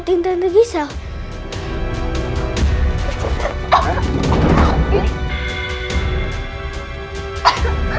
pak tata pasal pak